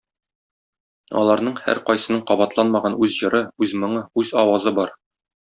Аларның һәркайсының кабатланмаган үз җыры, үз моңы, үз авазы бар.